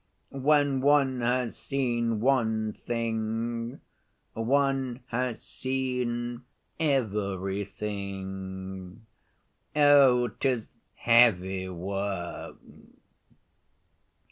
When one has seen one thing, one has seen everything. Oh, 'tis heavy work!